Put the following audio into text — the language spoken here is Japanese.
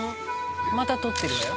「また撮ってるわよ」